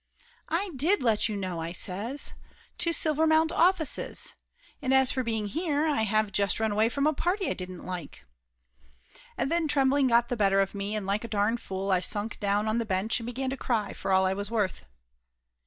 "I did let you know!" I says. "To Silvermount offices! And as for being here, I have just run away from a party I didn't like !" And then trembling got the better of me and like a darn fool I sunk down on the bench and begun to cry for all I was worth.